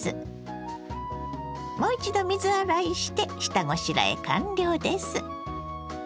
もう一度水洗いして下ごしらえ完了です。